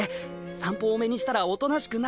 散歩多めにしたらおとなしくなる。